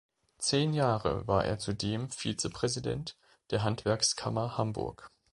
Zehn Jahre war er zudem Vizepräsident der Handwerkskammer Hamburg.